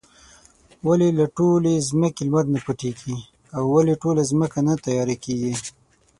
ولې له ټولې ځمکې لمر نۀ پټيږي؟ او ولې ټوله ځمکه نه تياره کيږي؟